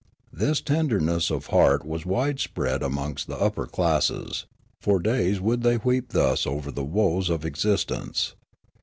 This tenderness of heart was widespread amongst the upper classes ; for days would they weep thus over the woes of existence.